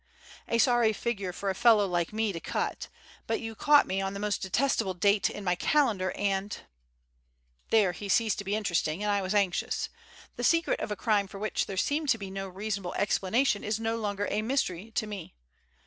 A sorry figure for a fellow like me to cut; but you caught me on the most detestable date in my calendar and " There he ceased being interesting and I anxious. The secret of a crime for which there seemed to be no reasonable explanation is no longer a mystery to me.